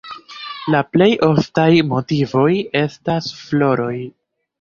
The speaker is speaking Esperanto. La plej oftaj motivoj esta floroj.